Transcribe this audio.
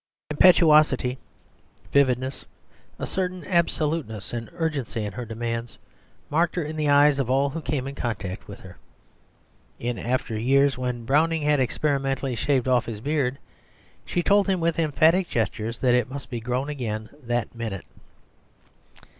Impetuosity, vividness, a certain absoluteness and urgency in her demands, marked her in the eyes of all who came in contact with her. In after years, when Browning had experimentally shaved his beard off, she told him with emphatic gestures that it must be grown again "that minute."